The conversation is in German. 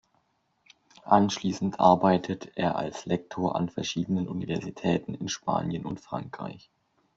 Anschließend arbeitet er als Lektor an verschiedenen Universitäten in Spanien und Frankreich.